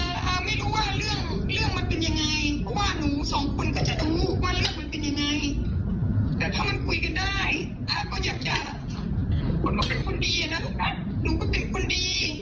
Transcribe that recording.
ในเรื่องของเอาศาสนาพุทธไปจำชาตินะลูกน้า